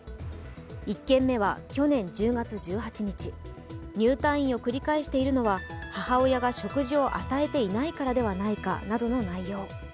１件目は去年１０月１８日入退院を繰り返しているのは母親が食事を与えていないからではないかなどの内容。